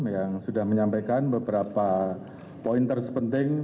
yang sudah menyampaikan beberapa poin terpenting